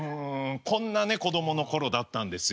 こんなね子供の頃だったんですよ。